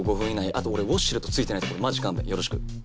あと俺ウォシュレット付いてない所マジ勘弁よろしく。